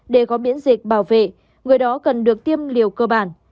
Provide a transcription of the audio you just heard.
để có miễn dịch bảo vệ người đó cần được tiêm liều cơ bản